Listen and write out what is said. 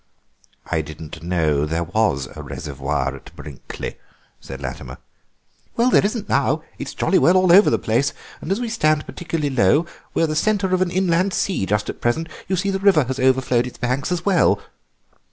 "I didn't know there was a reservoir at Brinkley," said Latimer. "Well, there isn't now, it's jolly well all over the place, and as we stand particularly low we're the centre of an inland sea just at present. You see the river has overflowed its banks as well."